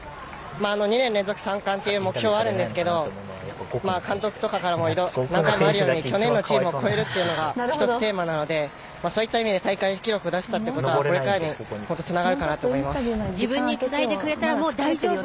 ２年連続三冠という目標はあるんですが監督とかからも何回もあるように去年のチームを超えるというのが１つ、テーマなのでそういった意味で大会記録を出せたのはこれからにつながるかなと自分につないでくれたらもう大丈夫。